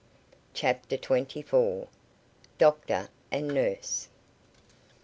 CHAPTER TWENTY FOUR. DOCTOR AND NURSE.